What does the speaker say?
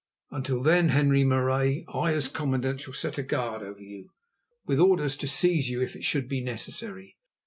Until then, Henri Marais, I, as commandant, shall set a guard over you, with orders to seize you if it should be necessary.